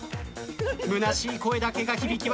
むなしい声だけが響き渡る。